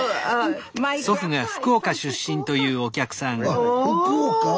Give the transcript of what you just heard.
あっ福岡？